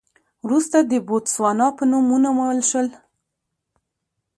وروسته د بوتسوانا په نوم ونومول شول.